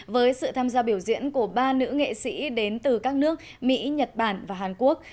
với sự tham gia biểu diễn của ba nữ nghệ sĩ đến từ các nước mỹ nhật bản và hàn quốc